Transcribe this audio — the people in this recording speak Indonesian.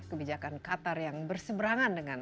kebijakan qatar yang berseberangan dengan